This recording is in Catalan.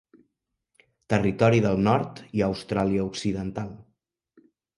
Territori del Nord i Austràlia Occidental.